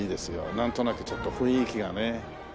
なんとなくちょっと雰囲気がね。